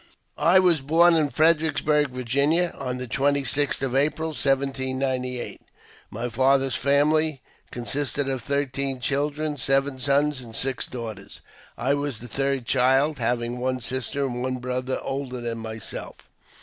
WAS born in Fredericksburg, Virginia, on the 26th of April, 1798. My father's family consisted of thirteen children, seven sons and six daughters. I was the third child, having one sister and one brother older than myself.